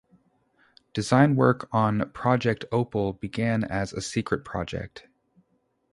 Design work on "Project Opel" began as a secret project.